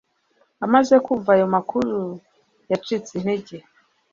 Amaze kumva ayo makuru, yacitse intege